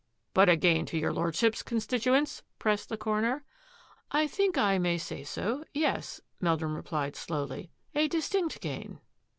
" But a gain to your Lordship's constituents? '* pressed the coroner. " I think I may say so; yes,'' Meldrum replied slowly, " a distinct gain."